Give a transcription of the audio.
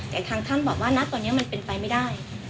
แต่ทางท่านบอกว่าณตอนนี้มันเป็นไปไม่ได้